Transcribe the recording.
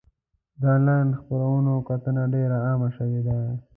د انلاین خپرونو کتنه ډېر عامه شوې ده.